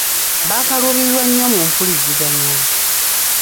Baakaluubirirwa nnyo mu mpuliziganya.